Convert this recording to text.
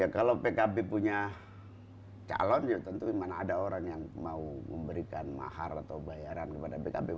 kalau pkb punya calon ya tentu mana ada orang yang mau memberikan mahar atau bayaran kepada pkb